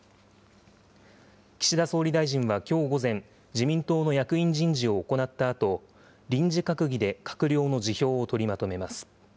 岸田総理大臣はきょう午前、自民党の役員人事を行ったあと、臨時閣議で閣僚の辞表を取りまとめます。